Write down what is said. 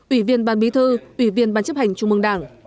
ủy viên ban bí thư ủy viên ban chấp hành trung mương đảng